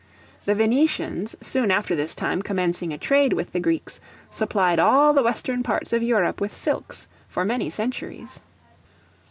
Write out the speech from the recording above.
The Venetians, soon after this time commencing a trade with the Greeks, supplied all the Western parts of Europe with silks for many centuries.